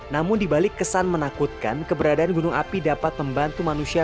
namun dibalik kesan menakutkan keberadaan gunung api dapat membantu manusia